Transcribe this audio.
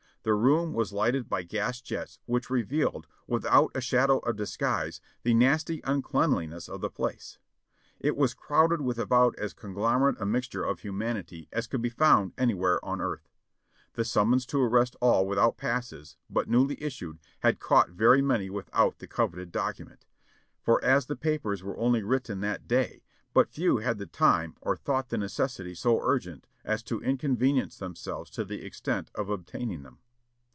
The room was lighted by gas jets which revealed, w ithout a shadow of disguise, the nasty unclean liness of the place. It was crowded with about as conglomerate a mixture of humanity as could be found anywhere on earth ; the summons to arrest all without passes, but newly issued, had caught very many without the coveted document, for as the pa pers were only written that day,, but few had the time or thought the necessity so urgent as to inconvenience themselves to the ex tent of obtaining them.